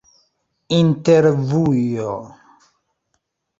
intervjuo